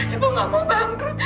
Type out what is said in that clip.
ibu nggak mau bangkrut